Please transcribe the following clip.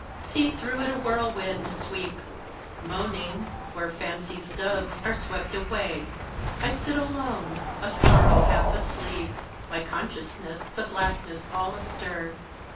see through it a whirlwind sweep! Moaning, poor Fancy's doves are swept away. I sit alone, a sorrow half asleep, My consciousness the blackness all astir.